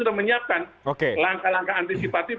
sudah menyiapkan langkah langkah antisipatif